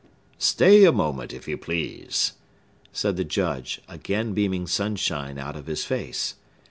"Stay a moment, if you please," said the Judge, again beaming sunshine out of his face.